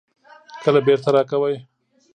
کله بیرته راکوئ؟